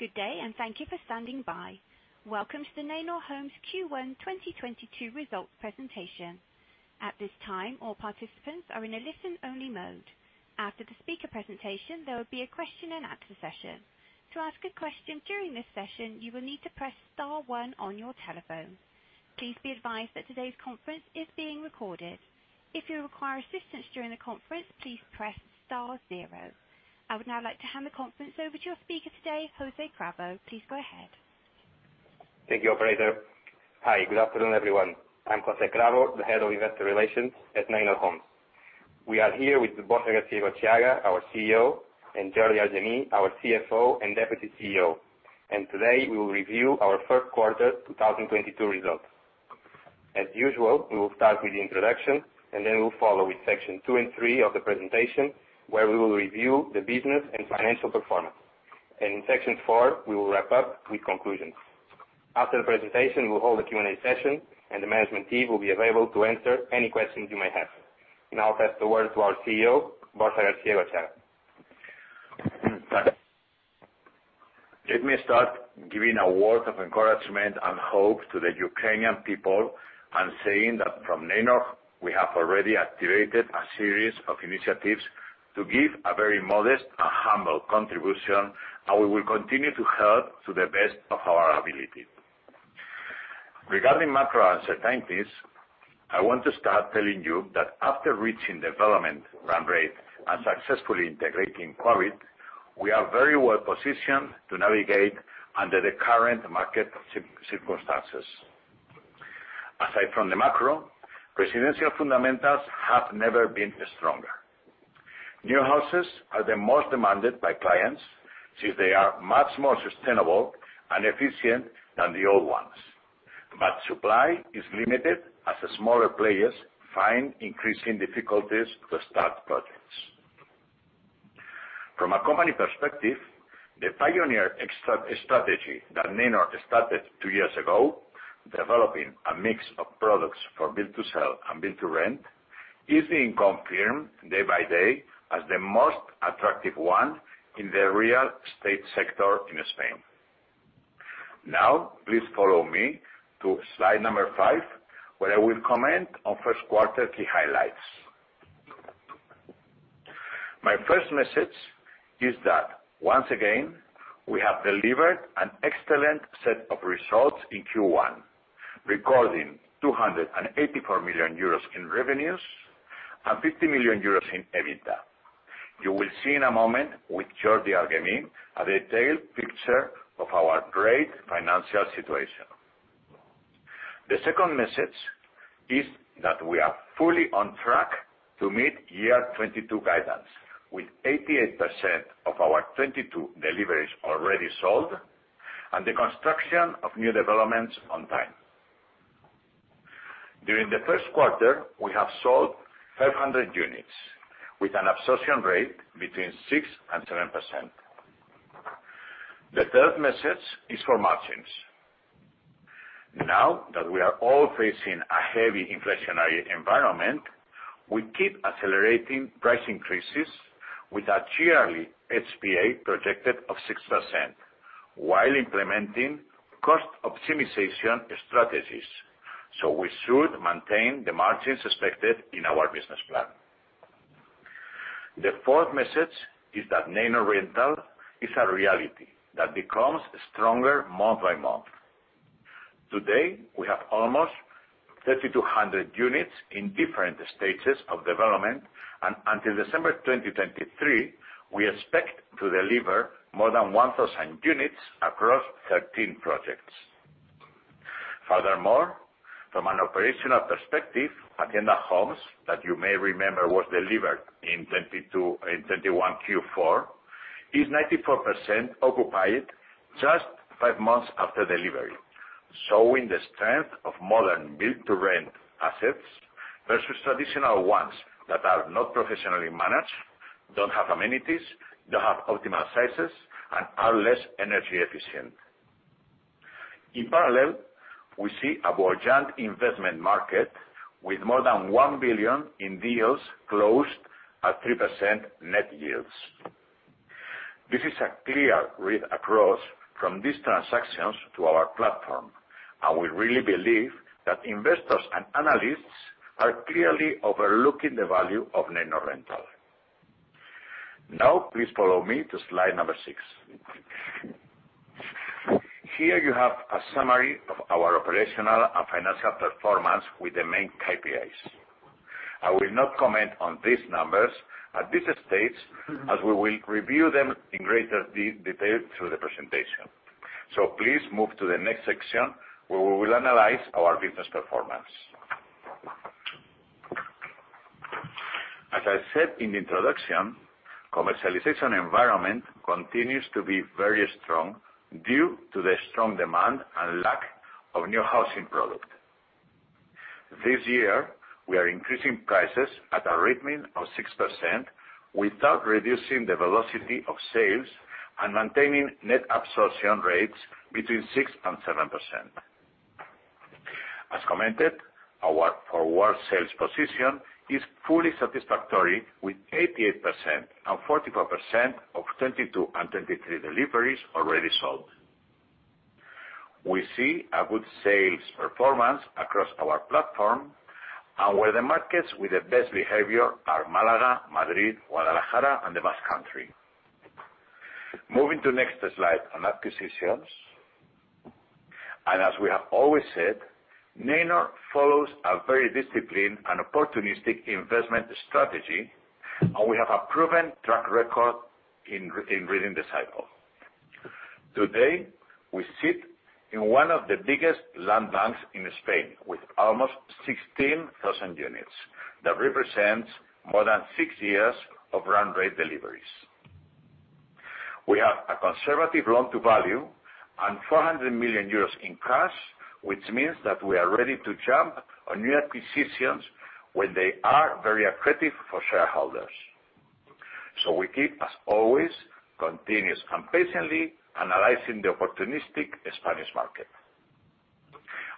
Good day, and thank you for standing by. Welcome to the Neinor Homes Q1 2022 results presentation. At this time, all participants are in a listen-only mode. After the speaker presentation, there will be a question and answer session. To ask a question during this session, you will need to press star one on your telephone. Please be advised that today's conference is being recorded. If you require assistance during the conference, please press star zero. I would now like to hand the conference over to your speaker today, José Cravo. Please go ahead. Thank you, operator. Hi, good afternoon, everyone. I'm José Cravo, the Head of Investor Relations at Neinor Homes. We are here with Borja Garcia-Egotxeaga, our CEO, and Jordi Argemí, our CFO and Deputy CEO. Today, we will review our first quarter 2022 results. As usual, we will start with the introduction, and then we'll follow with section two and three of the presentation, where we will review the business and financial performance. In section four, we will wrap up with conclusions. After the presentation, we'll hold a Q&A session, and the management team will be available to answer any questions you may have. Now I'll pass the word to our CEO, Borja Garcia-Egotxeaga. Let me start giving a word of encouragement and hope to the Ukrainian people and saying that from Neinor, we have already activated a series of initiatives to give a very modest and humble contribution, and we will continue to help to the best of our ability. Regarding macro uncertainties, I want to start telling you that after reaching development run rate and successfully integrating COVID, we are very well-positioned to navigate under the current market circumstances. Aside from the macro, residential fundamentals have never been stronger. New houses are the most demanded by clients since they are much more sustainable and efficient than the old ones. Supply is limited as the smaller players find increasing difficulties to start projects. From a company perspective, the pioneer strategy that Neinor started two years ago, developing a mix of products for build-to-sell and build-to-rent, is being confirmed day by day as the most attractive one in the real estate sector in Spain. Now, please follow me to slide five, where I will comment on first quarter key highlights. My first message is that, once again, we have delivered an excellent set of results in Q1, recording 284 million euros in revenues and 50 million euros in EBITDA. You will see in a moment with Jordi Argemí a detailed picture of our great financial situation. The second message is that we are fully on track to meet 2022 guidance, with 88% of our 2022 deliveries already sold and the construction of new developments on time. During the first quarter, we have sold 500 units with an absorption rate between 6% and 7%. The third message is for margins. Now that we are all facing a heavy inflationary environment, we keep accelerating price increases with a yearly HPA projected of 6% while implementing cost optimization strategies. We should maintain the margins expected in our business plan. The fourth message is that Neinor Rental is a reality that becomes stronger month by month. Today, we have almost 3,200 units in different stages of development, and until December 2023, we expect to deliver more than 1,000 units across 13 projects. Furthermore, from an operational perspective, Hacienda Homes, that you may remember was delivered in 2022. In 2021 Q4, is 94% occupied just five months after delivery, showing the strength of modern build-to-rent assets versus traditional ones that are not professionally managed, don't have amenities, don't have optimal sizes, and are less energy efficient. In parallel, we see a buoyant investment market with more than 1 billion in deals closed at 3% net yields. This is a clear read-across from these transactions to our platform, and we really believe that investors and analysts are clearly overlooking the value of Neinor Rental. Now, please follow me to slide number six. Here you have a summary of our operational and financial performance with the main KPIs. I will not comment on these numbers at this stage, as we will review them in greater detail through the presentation. Please move to the next section, where we will analyze our business performance. As I said in the introduction, commercialization environment continues to be very strong due to the strong demand and lack of new housing product. This year, we are increasing prices at a rate of 6% without reducing the velocity of sales and maintaining net absorption rates between 6% and 7%. As commented, our forward sales position is fully satisfactory with 88% and 44% of 2022 and 2023 deliveries already sold. We see a good sales performance across our platform and where the markets with the best behavior are Málaga, Madrid, Guadalajara and the Basque Country. Moving to next slide on acquisitions. As we have always said, Neinor follows a very disciplined and opportunistic investment strategy, and we have a proven track record in reading the cycle. Today, we sit in one of the biggest land banks in Spain with almost 16,000 units. That represents more than six years of run rate deliveries. We have a conservative loan-to-value and 400 million euros in cash, which means that we are ready to jump on new acquisitions when they are very accretive for shareholders. We keep, as always, continuous and patiently analyzing the opportunistic Spanish market.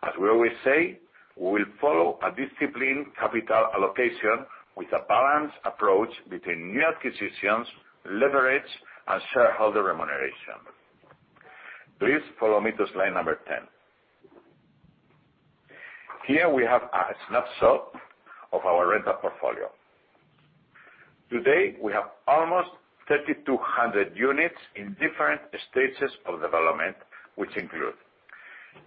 As we always say, we will follow a disciplined capital allocation with a balanced approach between new acquisitions, leverage, and shareholder remuneration. Please follow me to slide number 10. Here we have a snapshot of our rental portfolio. Today, we have almost 3,200 units in different stages of development, which include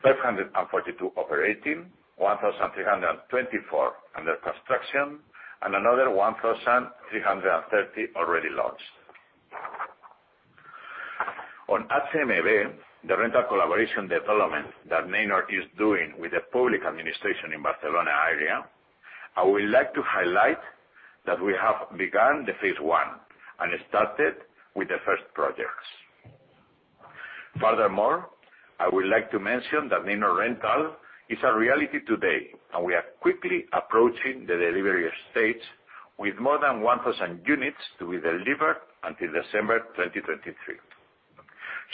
542 operating, 1,324 under construction, and another 1,330 already launched. On HMB, the rental collaboration development that Neinor is doing with the public administration in Barcelona area, I would like to highlight that we have begun the phase one and started with the first projects. Furthermore, I would like to mention that Neinor Rental is a reality today, and we are quickly approaching the delivery stage with more than 1,000 units to be delivered until December 2023.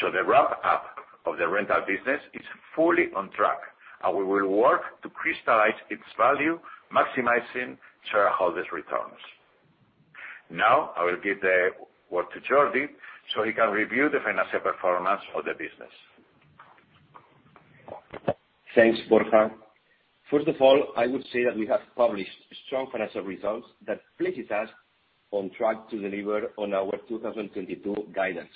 The wrap-up of the rental business is fully on track, and we will work to crystallize its value, maximizing shareholders' returns. Now, I will give the word to Jordi so he can review the financial performance of the business. Thanks, Borja. First of all, I would say that we have published strong financial results that places us on track to deliver on our 2022 guidance.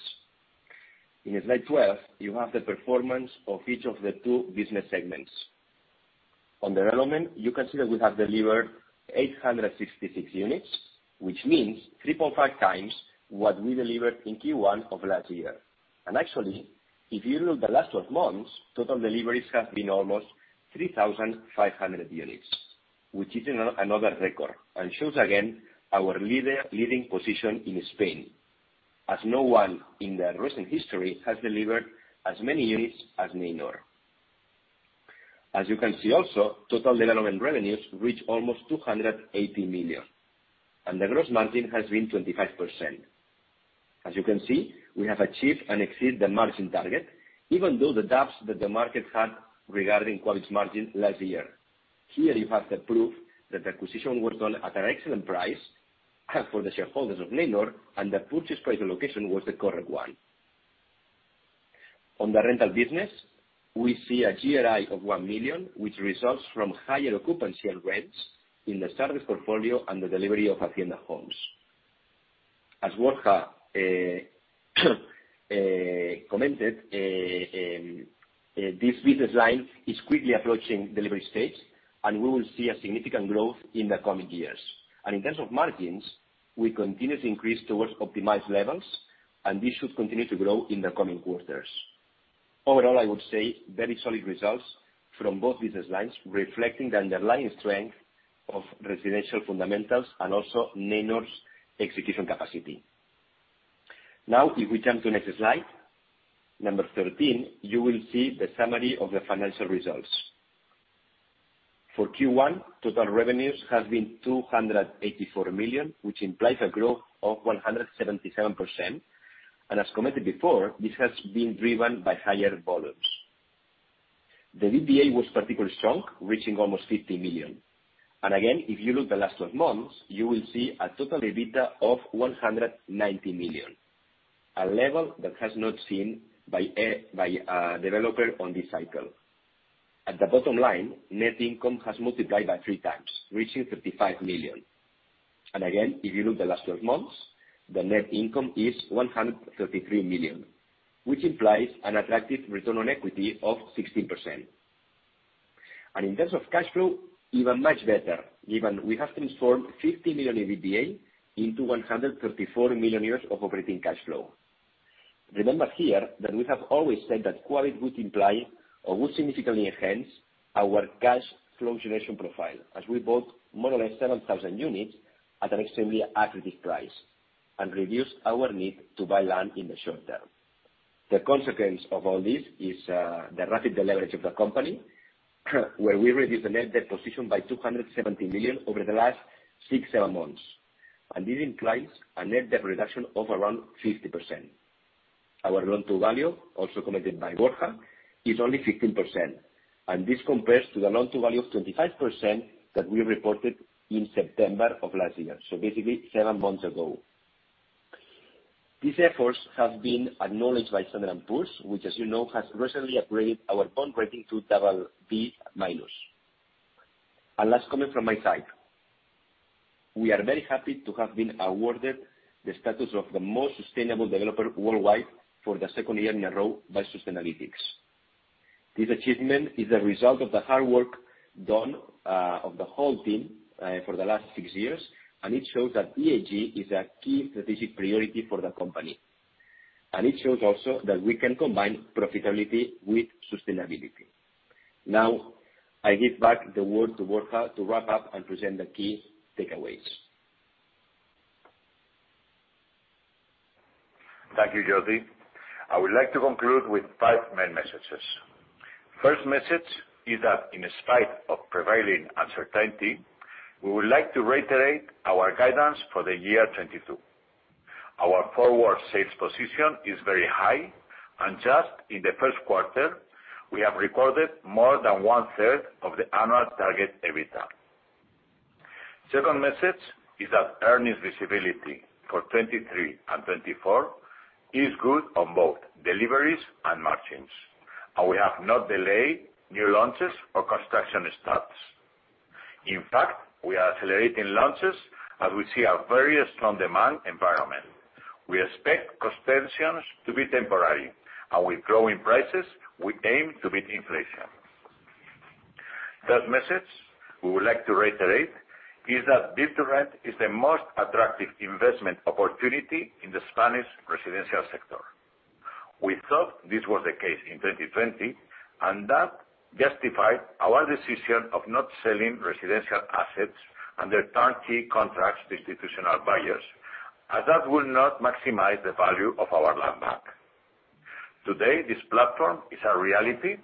In slide 12, you have the performance of each of the two business segments. On development, you can see that we have delivered 866 units, which means 3.5x what we delivered in Q1 of last year. Actually, if you look the last twelve months, total deliveries have been almost 3,500 units, which is another record and shows again our leading position in Spain, as no one in the recent history has delivered as many units as Neinor. As you can see also, total development revenues reach almost 280 million, and the gross margin has been 25%. As you can see, we have achieved and exceed the margin target, even though the doubts that the market had regarding quality margin last year. Here you have the proof that the acquisition was done at an excellent price, for the shareholders of Neinor, and the purchase price allocation was the correct one. On the rental business, we see a GRI of 1 million, which results from higher occupancy and rents in the service portfolio and the delivery of Hacienda Homes. As Borja commented, this business line is quickly approaching delivery stage, and we will see a significant growth in the coming years. In terms of margins, we continue to increase towards optimized levels, and this should continue to grow in the coming quarters. Overall, I would say very solid results from both business lines, reflecting the underlying strength of residential fundamentals and also Neinor's execution capacity. Now, if we turn to the next slide, number 13, you will see the summary of the financial results. For Q1, total revenues have been 284 million, which implies a growth of 177%. As committed before, this has been driven by higher volumes. The EBITDA was particularly strong, reaching almost 50 million. Again, if you look at the last 12 months, you will see a total EBITDA of 190 million, a level that has not been seen by a developer on this cycle. At the bottom line, net income has multiplied by three times, reaching 55 million. Again, if you look at the last 12 months, the net income is 133 million, which implies an attractive return on equity of 16%. In terms of cash flow, even much better. We have transformed 50 million in EBITDA into 134 million euros of operating cash flow. Remember here that we have always said that quality would imply or would significantly enhance our cash flow generation profile as we bought more or less 7,000 units at an extremely accretive price and reduced our need to buy land in the short term. The consequence of all this is the rapid deleverage of the company, where we reduce the net debt position by 270 million over the last six, seven months. This implies a net debt reduction of around 50%. Our loan-to-value, also commented by Borja, is only 15%, and this compares to the loan-to-value of 25% that we reported in September of last year, so basically seven months ago. These efforts have been acknowledged by Standard & Poor's, which as you know, has recently upgraded our bond rating to BB-. Last comment from my side. We are very happy to have been awarded the status of the most sustainable developer worldwide for the second year in a row by Sustainalytics. This achievement is a result of the hard work done of the whole team for the last six years, and it shows that ESG is a key strategic priority for the company. It shows also that we can combine profitability with sustainability. Now, I give back the word to Borja to wrap up and present the key takeaways. Thank you, Jordi. I would like to conclude with five main messages. First message is that in spite of prevailing uncertainty, we would like to reiterate our guidance for the year 2022. Our forward sales position is very high, and just in the first quarter, we have recorded more than one-third of the annual target EBITDA. Second message is that earnings visibility for 2023 and 2024 is good on both deliveries and margins, and we have not delayed new launches or construction starts. In fact, we are accelerating launches as we see a very strong demand environment. We expect cost tensions to be temporary, and with growing prices, we aim to beat inflation. Third message we would like to reiterate is that build-to-rent is the most attractive investment opportunity in the Spanish residential sector. We thought this was the case in 2020, and that justified our decision of not selling residential assets under turnkey contracts to institutional buyers, as that will not maximize the value of our land bank. Today, this platform is a reality,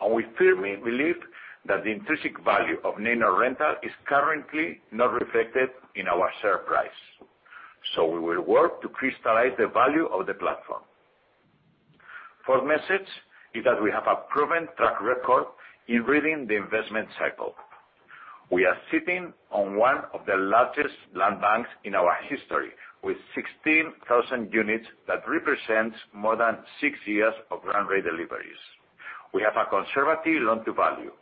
and we firmly believe that the intrinsic value of Neinor Rental is currently not reflected in our share price. We will work to crystallize the value of the platform. Fourth message is that we have a proven track record in reading the investment cycle. We are sitting on one of the largest land banks in our history, with 16,000 units that represents more than six years of run-rate deliveries. We have a conservative loan-to-value,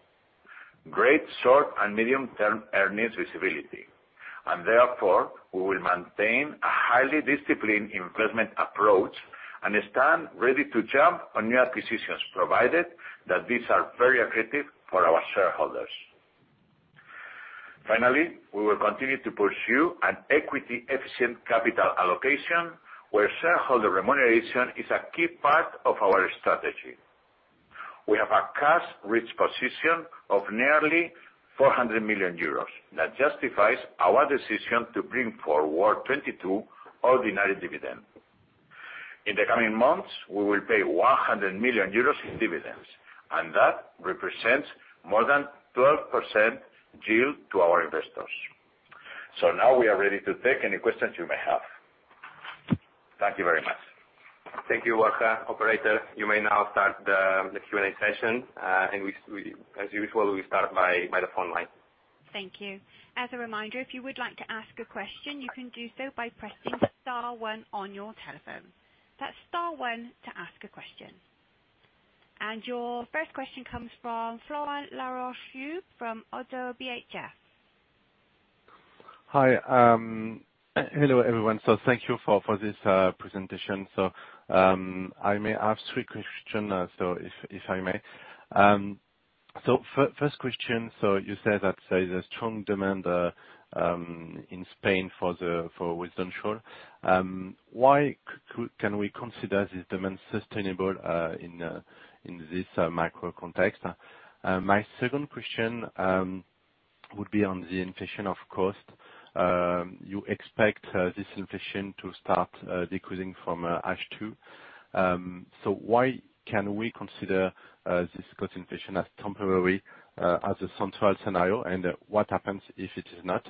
great short and medium-term earnings visibility, and therefore we will maintain a highly disciplined investment approach and stand ready to jump on new acquisitions, provided that these are very accretive for our shareholders. Finally, we will continue to pursue an equity-efficient capital allocation, where shareholder remuneration is a key part of our strategy. We have a cash-rich position of nearly 400 million euros that justifies our decision to bring forward 2022 ordinary dividend. In the coming months, we will pay 100 million euros in dividends, and that represents more than 12% yield to our investors. Now we are ready to take any questions you may have. Thank you very much. Thank you, Borja. Operator, you may now start the Q&A session. We, as usual, start by the phone line. Thank you. As a reminder, if you would like to ask a question, you can do so by pressing star one on your telephone. That's star one to ask a question. Your first question comes from Florent Laroche-Joubert from ODDO BHF. Hi. Hello, everyone. Thank you for this presentation. I may ask three question, if I may. First question, you said that there is a strong demand in Spain for residential. Why can we consider this demand sustainable in this macro context? My second question would be on the inflation of cost. You expect this inflation to start decreasing from H2. Why can we consider this cost inflation as temporary as a central scenario, and what happens if it is not?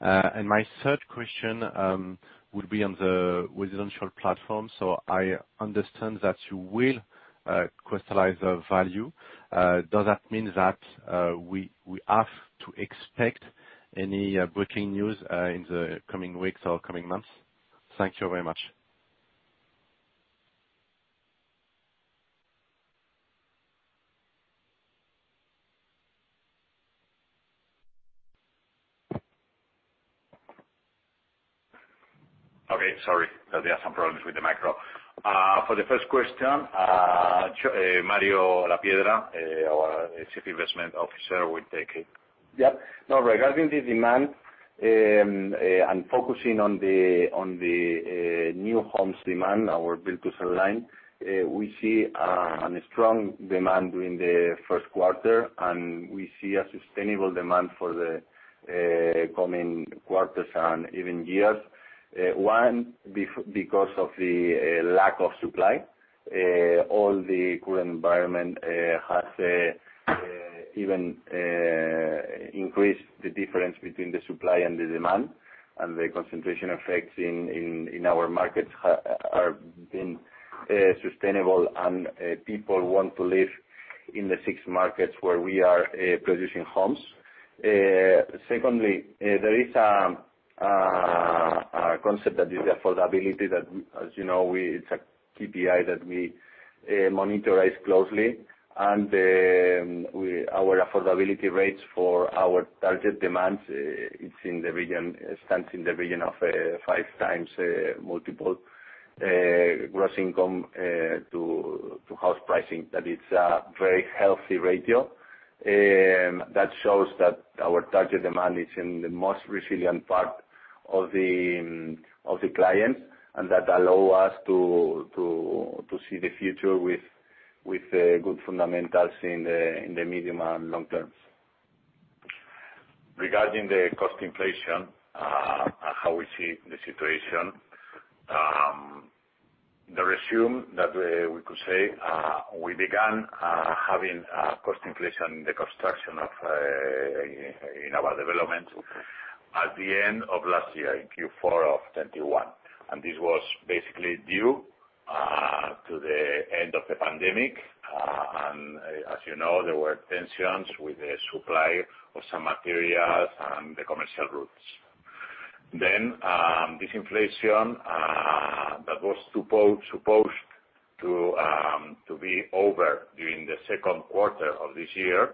My third question would be on the residential platform. I understand that you will crystallize the value. Does that mean that we have to expect any breaking news in the coming weeks or coming months? Thank you very much. Okay. Sorry. There'll be some problems with the macro. For the first question, Mario Lapiedra, our Chief Investment Officer, will take it. Yeah. Now, regarding the demand, and focusing on the new homes demand, our build-to-sell line, we see a strong demand during the first quarter, and we see a sustainable demand for the coming quarters and even years. One, because of the lack of supply. All the current environment has even increased the difference between the supply and the demand and the concentration effects in our markets are being sustainable. People want to live in the six markets where we are producing homes. Secondly, there is a concept that is affordability that, as you know, it's a KPI that we monitor closely. Our affordability rates for our target demands, it's in the region, it stands in the region of five times multiple gross income to house pricing. That is a very healthy ratio. That shows that our target demand is in the most resilient part of the clients, and that allow us to see the future with good fundamentals in the medium and long terms. Regarding the cost inflation, how we see the situation. The résumé that we could say, we began having cost inflation in the construction of our development at the end of last year, in Q4 of 2021. This was basically due to the end of the pandemic. As you know, there were tensions with the supply of some materials and the commercial routes. This inflation that was supposed to be over during the second quarter of this year,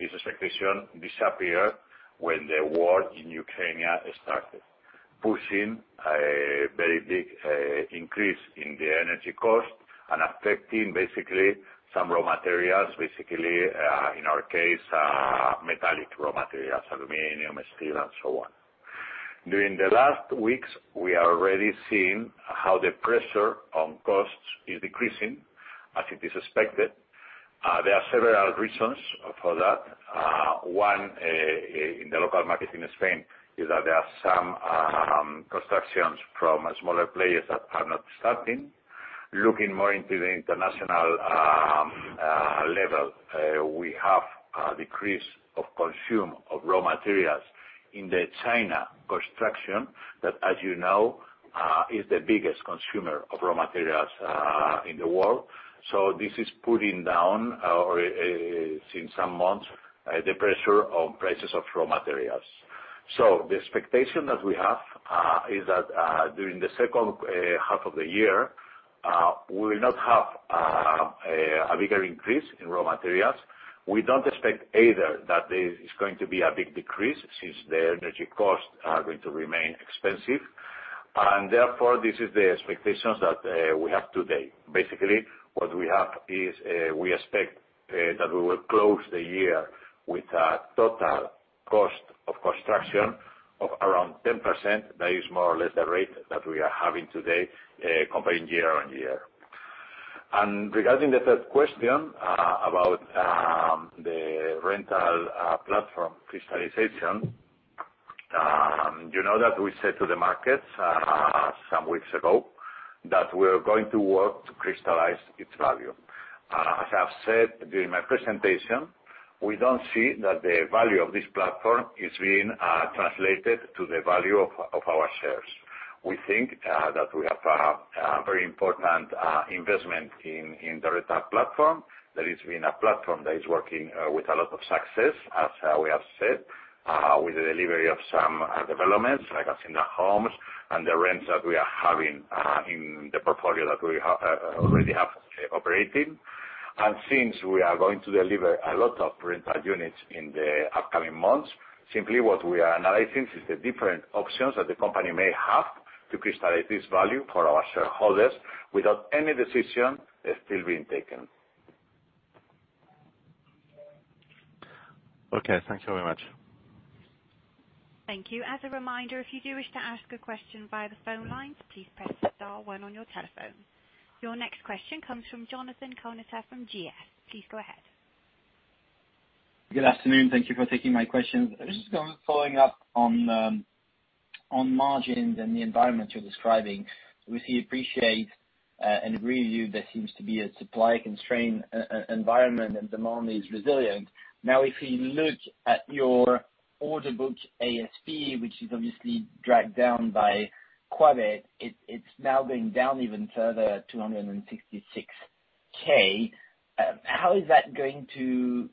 this exception disappeared when the war in Ukraine started, pushing a very big increase in the energy cost and affecting basically some raw materials, basically, in our case, metallic raw materials, aluminum, steel and so on. During the last weeks, we are already seeing how the pressure on costs is decreasing as it is expected. There are several reasons for that. One, in the local market in Spain is that there are some constructions from smaller players that are not starting. Looking more into the international level, we have a decrease in consumption of raw materials in the China construction that, as you know, is the biggest consumer of raw materials in the world. This is pulling down, since some months, the pressure on prices of raw materials. The expectation that we have is that during the second half of the year we will not have a bigger increase in raw materials. We don't expect either that there is going to be a big decrease since the energy costs are going to remain expensive. Therefore, this is the expectations that we have today. Basically, what we have is we expect that we will close the year with a total cost of construction of around 10%. That is more or less the rate that we are having today, comparing year-on-year. Regarding the third question, about the rental platform crystallization, you know that we said to the markets some weeks ago that we're going to work to crystallize its value. As I've said during my presentation, we don't see that the value of this platform is being translated to the value of our shares. We think that we have a very important investment in the rental platform. That it's been a platform that is working with a lot of success, as we have said, with the delivery of some developments, like as in the homes and the rents that we are having in the portfolio that we already have operating. Since we are going to deliver a lot of rental units in the upcoming months, simply what we are analyzing is the different options that the company may have to crystallize this value for our shareholders without any decision still being taken. Okay. Thank you very much. Thank you. As a reminder, if you do wish to ask a question via the phone lines, please press star one on your telephone. Your next question comes from Jonathan Kownator from GS. Please go ahead. Good afternoon. Thank you for taking my questions. I was just following up on margins and the environment you're describing. We appreciate and agree with you, there seems to be a supply constraint environment and demand is resilient. Now, if we look at your order book ASP, which is obviously dragged down by Quabit, it's now going down even further, 266K. How is that going to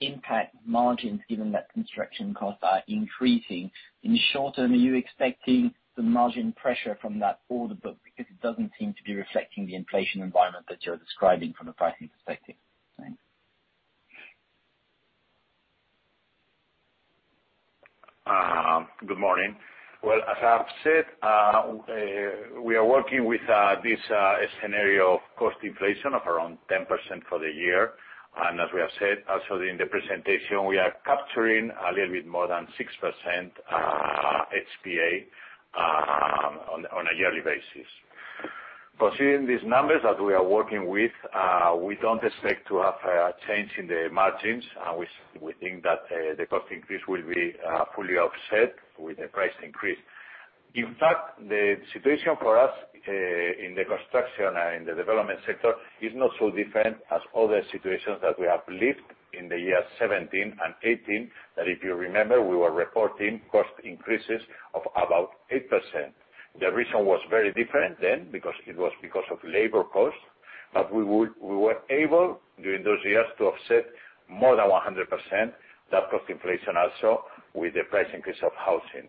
impact margins given that construction costs are increasing? In the short term, are you expecting some margin pressure from that order book? Because it doesn't seem to be reflecting the inflation environment that you're describing from a pricing perspective. Thanks. Good morning. Well, as I have said, we are working with this scenario of cost inflation of around 10% for the year. As we have said also in the presentation, we are capturing a little bit more than 6% HPA on a yearly basis. Considering these numbers that we are working with, we don't expect to have a change in the margins. We think that the cost increase will be fully offset with the price increase. In fact, the situation for us in the construction and in the development sector is not so different as other situations that we have lived in the year 2017 and 2018. That, if you remember, we were reporting cost increases of about 8%. The reason was very different then because of labor costs. We were able during those years to offset more than 100% that cost inflation also with the price increase of housing.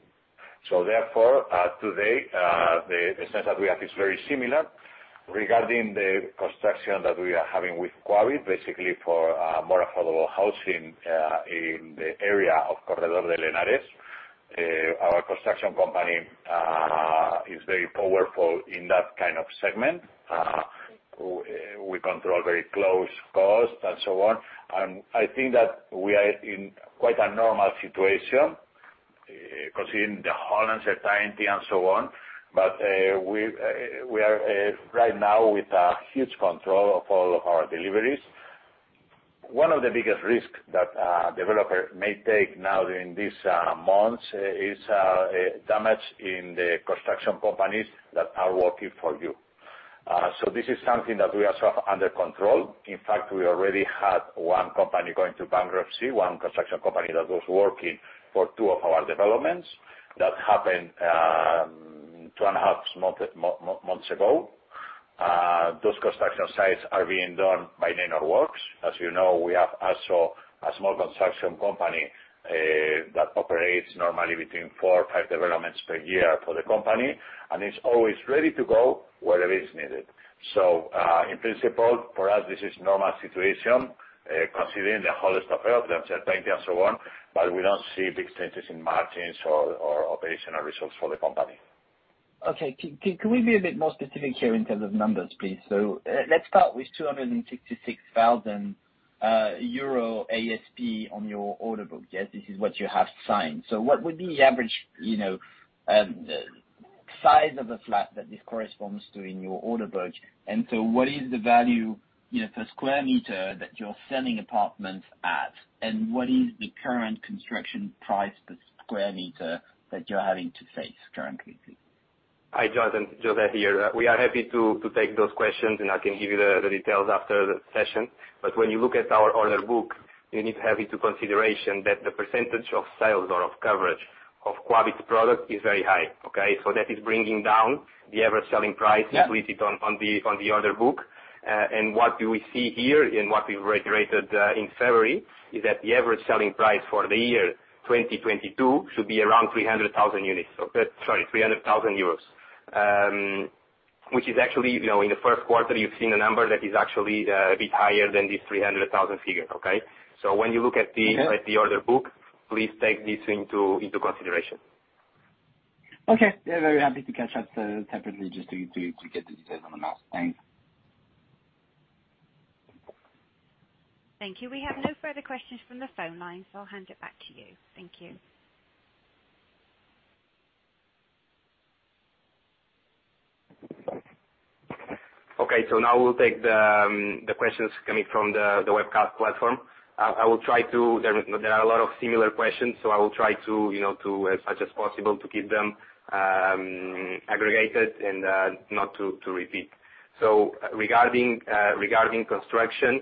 Today, the sense that we have is very similar regarding the construction that we are having with Quabit, basically for more affordable housing in the area of Corredor del Henares. Our construction company is very powerful in that kind of segment. We control costs very closely and so on. I think that we are in quite a normal situation, considering the overall uncertainty and so on. We are right now with huge control of all of our deliveries. One of the biggest risks that a developer may take now during these months is damage in the construction companies that are working for you. This is something that we have under control. In fact, we already had one company going to bankruptcy, one construction company that was working for two of our developments. That happened two and a half months ago. Those construction sites are being done by Neinor Works. As you know, we have also a small construction company that operates normally between four or five developments per year for the company, and it's always ready to go wherever it's needed. In principle, for us, this is normal situation considering the whole stuff, the uncertainty and so on, but we don't see big changes in margins or operational results for the company. Okay. Can we be a bit more specific here in terms of numbers, please? Let's start with 266,000 euro ASP on your order book. Yes, this is what you have signed. What would be the average, you know, size of a flat that this corresponds to in your order book? What is the value, you know, per square meter that you're selling apartments at? What is the current construction price per square meter that you're having to face currently? Hi, John. José here. We are happy to take those questions, and I can give you the details after the session. When you look at our order book, you need to take into consideration that the percentage of sales or of coverage of Quabit product is very high, okay? So that is bringing down the average selling price. Yeah. You put it on the order book. What do we see here and what we've reiterated in February is that the average selling price for the year 2022 should be around 300,000 units. So that. Sorry, 300,000 euros. Which is actually, you know, in the first quarter, you've seen a number that is actually a bit higher than this 300,000 figure, okay? So when you look at the Okay. At the order book, please take this into consideration. Okay. Yeah, very happy to catch up separately just to get the details on the numbers. Thanks. Thank you. We have no further questions from the phone line, so I'll hand it back to you. Thank you. Okay. Now we'll take the questions coming from the webcast platform. There are a lot of similar questions, so I will try to, you know, as much as possible to keep them aggregated and not to repeat. Regarding construction,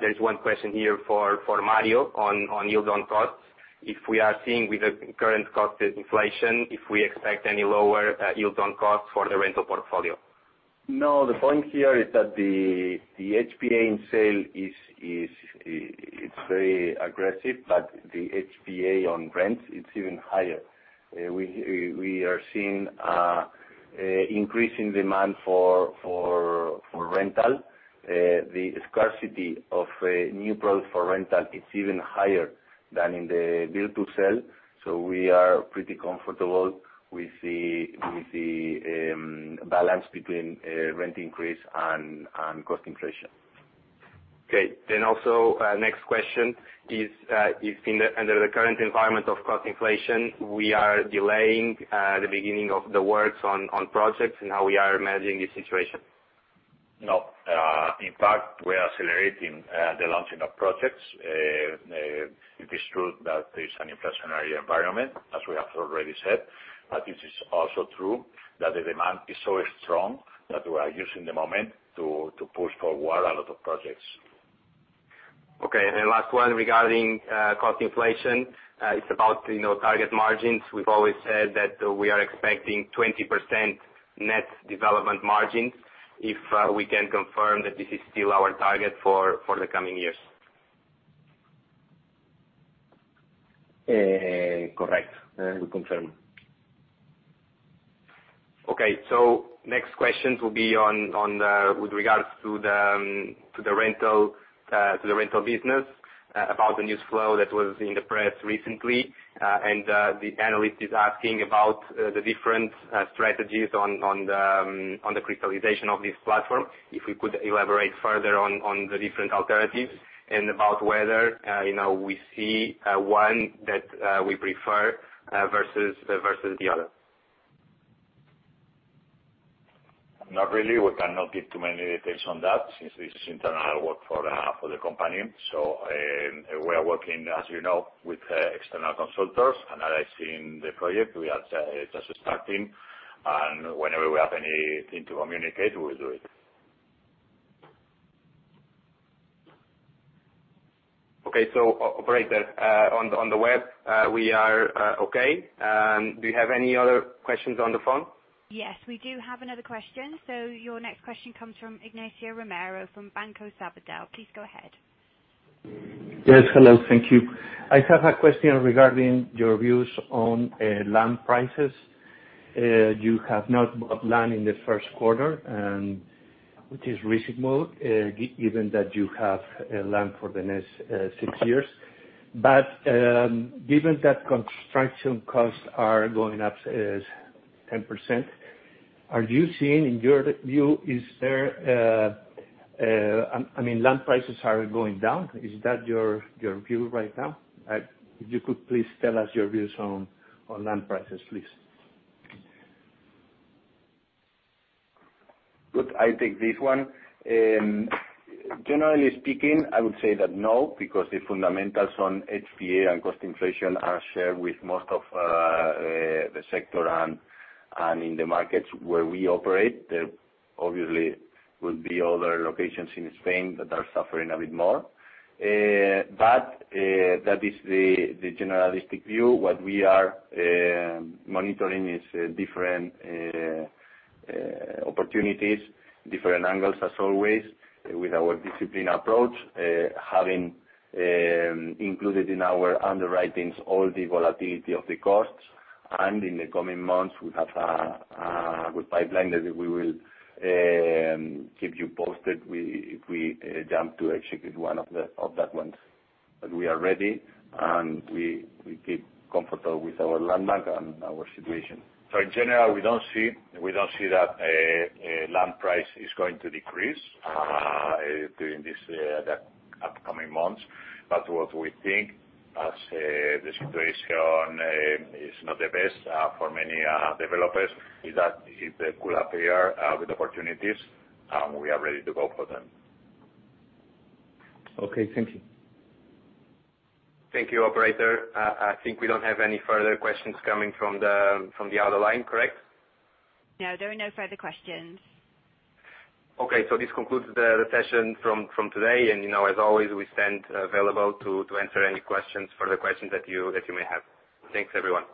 there's one question here for Mario on yield on costs. If we are seeing with the current cost inflation, if we expect any lower yield on costs for the rental portfolio. No, the point here is that the HPA in sales is very aggressive, but the HPA on rents is even higher. We are seeing increasing demand for rental. The scarcity of new products for rental is even higher than in the build-to-sell, so we are pretty comfortable with the balance between rent increase and cost inflation. Also, next question is, if under the current environment of cost inflation, we are delaying the beginning of the works on projects and how we are managing this situation? No. In fact, we are accelerating the launching of projects. It is true that it's an inflationary environment, as we have already said. It is also true that the demand is so strong that we are using the moment to push forward a lot of projects. Okay. Last one regarding cost inflation, it's about, you know, target margins. We've always said that we are expecting 20% net development margins, if we can confirm that this is still our target for the coming years. Correct. We confirm. Next questions will be on with regards to the rental business about the news flow that was in the press recently. The analyst is asking about the different strategies on the crystallization of this platform. If we could elaborate further on the different alternatives and about whether, you know, we see one that we prefer versus the other. Not really. We cannot give too many details on that since this is internal work for the company. We are working, as you know, with external consultants, analyzing the project. We are just starting, and whenever we have anything to communicate, we will do it. Okay. Operator, on the web, we are okay. Do you have any other questions on the phone? Yes, we do have another question. Your next question comes from Ignacio Romero from Banco Sabadell. Please go ahead. Yes. Hello. Thank you. I have a question regarding your views on land prices. You have not bought land in the first quarter, given that you have land for the next six years. Given that construction costs are going up 10%, are you seeing. In your view, is there. I mean, land prices are going down. Is that your view right now? If you could please tell us your views on land prices, please. Good. I take this one. Generally speaking, I would say that no, because the fundamentals on HPA and cost inflation are shared with most of the sector and in the markets where we operate. There obviously would be other locations in Spain that are suffering a bit more. That is the generalistic view. What we are monitoring is different opportunities, different angles as always with our disciplined approach, having included in our underwritings all the volatility of the costs. In the coming months we have a pipeline that we will keep you posted. If we jump to execute one of those ones. We are ready, and we feel comfortable with our land bank and our situation. In general, we don't see that land price is going to decrease during the upcoming months. What we think, as the situation is not the best for many developers, is that if they could appear with opportunities, we are ready to go for them. Okay. Thank you. Thank you. Operator, I think we don't have any further questions coming from the other line, correct? No, there are no further questions. Okay. This concludes the session from today. You know, as always, we stand available to answer any questions, further questions that you may have. Thanks, everyone.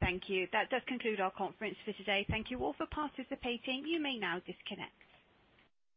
Thank you. That does conclude our conference for today. Thank you all for participating. You may now disconnect.